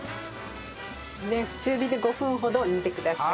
中火で５分ほど煮てください。